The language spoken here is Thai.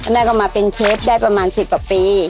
แม่ก็มาเป็นเชฟได้ประมาณ๑๐กว่าปี